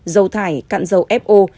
dầu thải cạn dầu fo